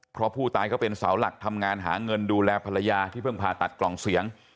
เพราะผู้ตายเขาเป็นเสาหลักทำงานหาเงินดูแลภรรยาที่เพิ่งผ่าตัดกล่องเสียง